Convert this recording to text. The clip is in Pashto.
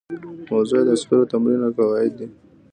موضوع یې د عسکرو تمرین او قواعد دي.